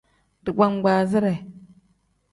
Digbangbaazire.